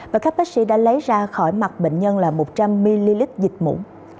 và các bác sĩ đã lấy ra khỏi mặt bệnh nhân là một trăm linh ml dịch mũ